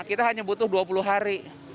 kita hanya butuh dua puluh hari